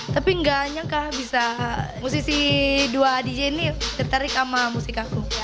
tapi nggak nyangka bisa musisi dua adij ini tertarik sama musik aku